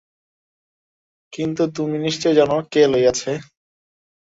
কিন্তু তুমি নিশ্চয় জান কে লইয়াছে?